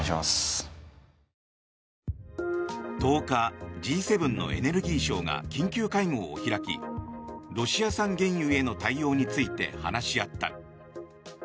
１０日、Ｇ７のエネルギー相が緊急会合を開きロシア産原油への対応について話し合った。